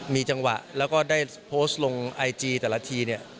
มีจังหวะแล้วก็ได้โพสต์ลงไอจีแต่ละทีเนี่ย